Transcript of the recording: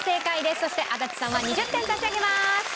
そして足立さんは２０点差し上げます。